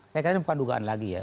saya kira ini bukan dugaan lagi ya